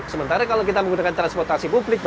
sementara kalau kita menggunakan transportasi publik